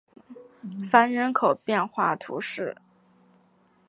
凡人口变化图示